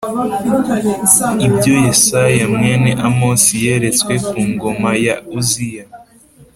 Ibyo Yesaya mwene Amosi yeretswe ku ngoma ya Uziya